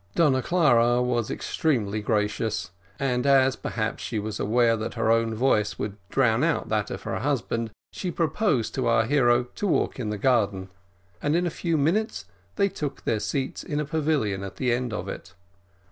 Donna Clara was extremely gracious, and as, perhaps, she was aware that her voice would drown that of her husband, she proposed to our hero to walk in the garden, and in a few minutes they took their seats in a pavilion at the end of it.